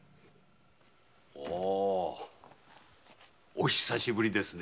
お久しぶりですね。